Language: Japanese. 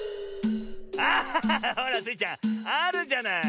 あハハハほらスイちゃんあるじゃない。